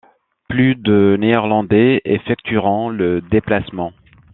Plus de néerlandais effectueront le déplacement.